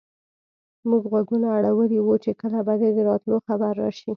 موږ غوږونه اړولي وو چې کله به دې د راتلو خبر راشي.